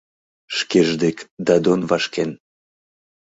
Шкеже дек Дадон вашкен.